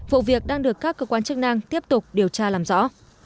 vụ việc đang được các cơ quan chức năng tiếp tục điều tra làm rõ